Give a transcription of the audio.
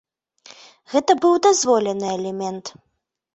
Гэта быў бы дазволены элемент.